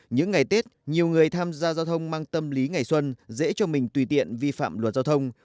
những ngày tết nhiều người tham gia giao thông mang tâm lý ngày xuân dễ cho mình tùy tiện vi phạm luật giao thông